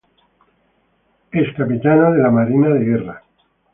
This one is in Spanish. Es capitana de la Marina de Guerra.